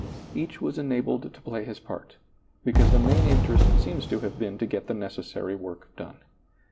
Each was enabled to play his part, because the main interest seems to have been to get the necessary work done.